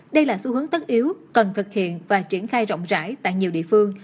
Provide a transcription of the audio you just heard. đây là xu hướng tất yếu cần thực hiện và triển khai rộng rãi tại nhiều địa phương